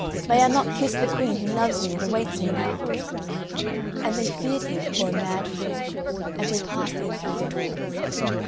May I not kiss the Queen who loves me and awaits me now?" And they feared him for a mad fool, and he passed in through the door.